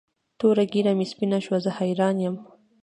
توره ږیره مې سپینه شوه زه حیران یم.